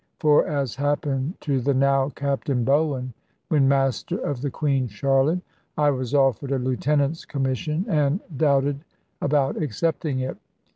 For (as happened to the now Captain Bowen, when Master of the Queen Charlotte) I was offered a lieutenant's commission, and doubted about accepting it.